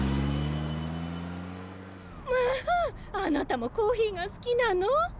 まああなたもコーヒーが好きなの？